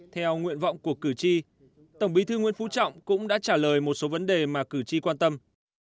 theo nguyện vọng của cử tri tổng bí thư nguyễn phú trọng cũng đã trả lời một số vấn đề mà cử tri quan tâm